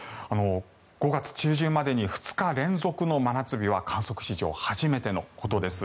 ５月中旬までに２日連続の真夏日は観測史上初めてのことです。